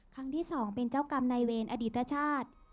ครั้งที่๒เป็นเจ้ากรรมนายเวรอดิตชาติ